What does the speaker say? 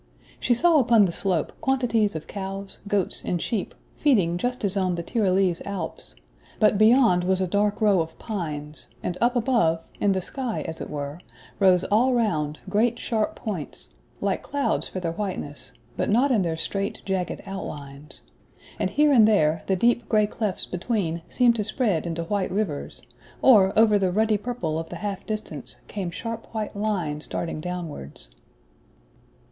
She saw upon the slope quantities of cows, goats, and sheep, feeding just as on the Tyrolese Alps; but beyond was a dark row of pines, and up above, in the sky as it were, rose all round great sharp points like clouds for their whiteness, but not in their straight jagged outlines; and here and there the deep grey clefts between seemed to spread into white rivers, or over the ruddy purple of the half distance came sharp white lines darting downwards.